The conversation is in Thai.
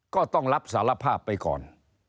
ก็ต้องรับสารภาพไปก่อน